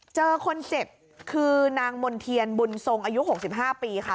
เจอคนเจ็บคือนางมณ์เทียนบุญทรงอายุ๖๕ปีค่ะ